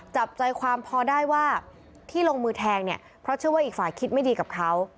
จับใจความพอได้ว่าที่ลงมือแทงเนี่ยเพราะเชื่อว่าอีกฝ่ายคิดไม่ดีกับเขา